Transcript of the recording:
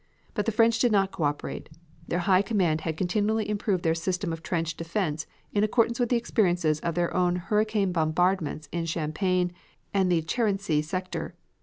But the French did not co operate. Their High Command had continually improved their system of trench defense in accordance with the experiences of their own hurricane bombardments in Champagne and the Carency sector.